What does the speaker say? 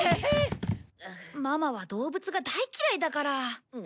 ママは動物が大嫌いだから。